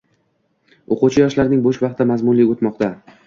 O‘quvchi-yoshlarning bo‘sh vaqti mazmunli o‘tmoqda